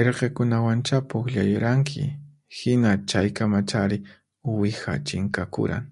Irqikunawancha pukllayuranki hina chaykamachari uwihaqa chinkakuran